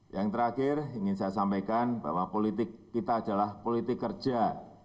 yang terakhir ingin saya sampaikan bahwa politik kita adalah politik kerja